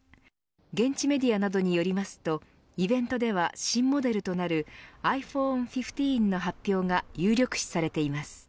現地メディアなどによりますとイベントでは新モデルとなるｉＰｈｏｎｅ１５の発表が有力視されています。